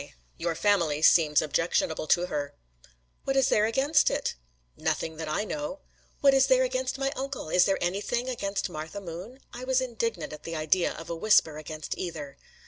"Your family seems objectionable to her." "What is there against it?" "Nothing that I know." "What is there against my uncle? Is there anything against Martha Moon?" I was indignant at the idea of a whisper against either.